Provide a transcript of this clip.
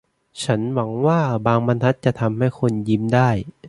ฉันหวังว่าบางบรรทัดจะทำให้คุณยิ้มได้